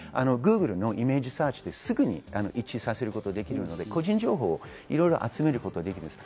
Ｇｏｏｇｌｅのイメージサーチですぐに一致させることができるので個人情報をいろいろ集めることができます。